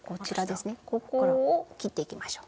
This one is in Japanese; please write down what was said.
ここを切っていきましょう。